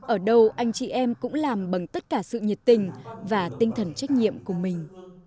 ở đâu anh chị em cũng làm bằng tất cả sự nhiệt tình và tinh thần trách nhiệm của mình